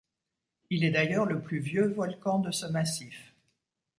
Il est d'ailleurs le plus vieux volcan de ce massif.